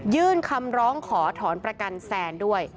ยื่นคำร้องขอถอนประกันแซนด้วย